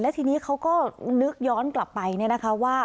ทีนี้เขาก็นึกย้อนกลับไปเนี่ยนะคะว่า